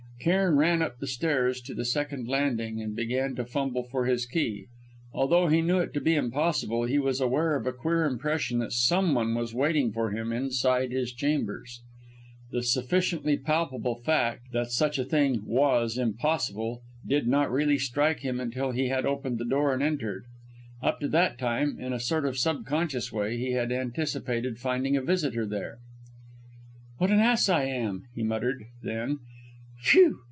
Cairn ran up the stairs to the second landing, and began to fumble for his key. Although he knew it to be impossible, he was aware of a queer impression that someone was waiting for him, inside his chambers. The sufficiently palpable fact that such a thing was impossible did not really strike him until he had opened the door and entered. Up to that time, in a sort of subconscious way, he had anticipated finding a visitor there. "What an ass I am!" he muttered; then, "Phew!